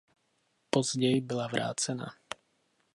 Později byla vrácena.